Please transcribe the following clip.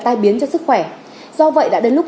tai biến cho sức khỏe do vậy đã đến lúc